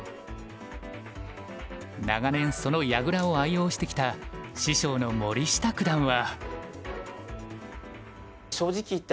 長年その矢倉を愛用してきた師匠の森下九段は。